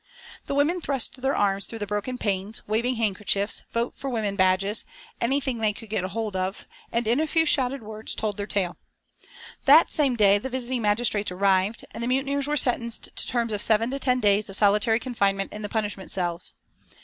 The women thrust their arms through the broken panes, waving handkerchiefs, Votes for Women badges, anything they could get hold of, and in a few shouted words told their tale. That same day the visiting magistrates arrived, and the mutineers were sentenced to terms of seven to ten days of solitary confinement in the punishment cells.